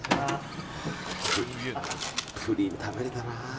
プリン食べれたな。